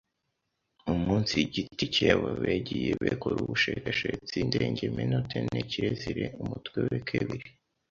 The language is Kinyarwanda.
umunsi giti cyebo begiye bekore ubushekeshetsi indengemenote ne kirezire. Umutwe we kebiri